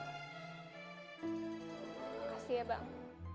makasih ya bang